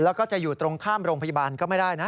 แล้วก็จะอยู่ตรงข้ามโรงพยาบาลก็ไม่ได้นะ